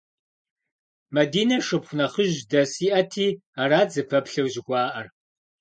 Мадинэ шыпхъу нэхъыжь дэс иӏэти арат зыпэплъэу жыхуаӏэр.